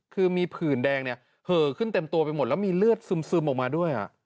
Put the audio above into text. คือมีผื่นแดงเนี่ยเหอะขึ้นเต็มตัวไปหมดแล้วมีเลือดซึมออกมาด้วย